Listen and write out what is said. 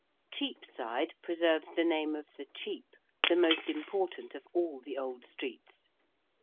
Cheapside preserves the name of the Chepe, the most important of all the old streets.